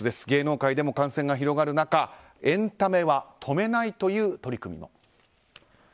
芸能界でも感染が広がる中エンタメは止めないという取り組みも。